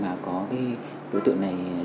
mà có đối tượng này